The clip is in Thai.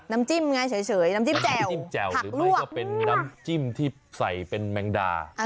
น้ำจิ้มไงเฉยน้ำจิ้มแจ่วจิ้มแจ่วหรือไม่ก็เป็นน้ำจิ้มที่ใส่เป็นแมงดา